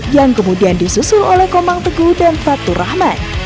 yang kemudian disusul oleh komang teguh dan fatur rahman